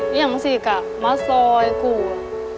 ยังสิกะมาซอยกูอะ